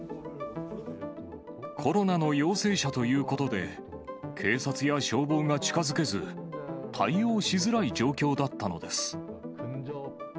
コロナの陽性者ということで、警察や消防が近づけず、対応しづらい状況だったのです。